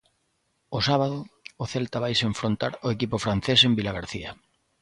O sábado, o Celta vaise enfrontar ao equipo francés en Vilagarcía.